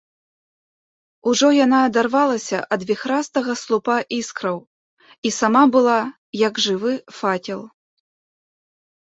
Ужо яна адарвалася ад віхрастага слупа іскраў і сама была, як жывы факел.